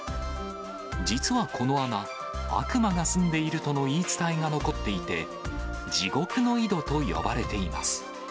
実はこの穴、悪魔が住んでいるとの言い伝えが残っていて、地獄の井戸と呼ばれています。